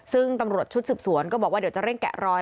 ซึ่งตำรวจชุดสืบสวนก็บอกว่าเดี๋ยวจะเร่งแกะรอย